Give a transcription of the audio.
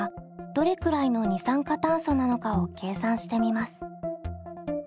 どれくらいの二酸化炭素なのかを計算してみます。